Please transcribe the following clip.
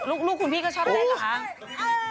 ลูกมีคุณพี่เขาชอบเหมือนกันเหรอ